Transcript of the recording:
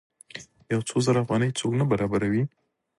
یو څو زره افغانۍ څوک نه برابروي.